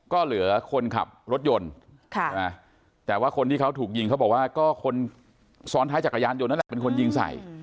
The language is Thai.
ก็เหลือคนขับรถยนต์แต่ว่าคนที่เขาถูกยิงเขาบอกว่าก็คนซ้อนท้ายจักรยานยนต์นั่นแหละเป็นคนยิงใส่